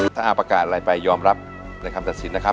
ถ้าอาประกาศอะไรไปยอมรับในคำตัดสินนะครับ